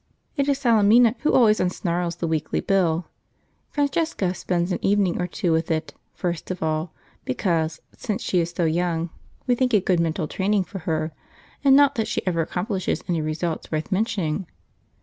It is Salemina who always unsnarls the weekly bill. Francesca spends an evening or two with it, first of all, because, since she is so young, we think it good mental training for her, and not that she ever accomplishes any results worth mentioning.